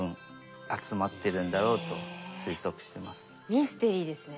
ミステリーですね。